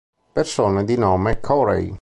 Persone di nome Corey